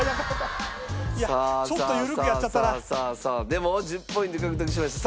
でも１０ポイント獲得しました。